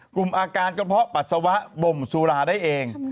กลุ่มอาการกระเพาะปัสสาวะบ่มสุราได้เอง